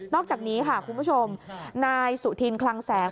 อกจากนี้ค่ะคุณผู้ชมนายสุธินคลังแสง